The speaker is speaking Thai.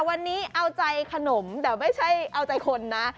วันนี้เอาใจขนมแต่ไม่ใช่เอาใจคนนะ